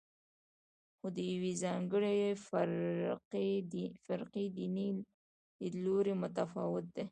خو د یوې ځانګړې فرقې دیني لیدلوری متفاوت دی.